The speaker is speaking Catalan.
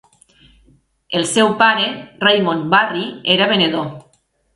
El seu pare, Raymond Barry, era venedor.